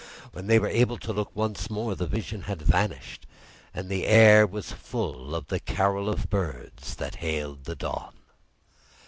When they were able to look once more, the Vision had vanished, and the air was full of the carol of birds that hailed the dawn.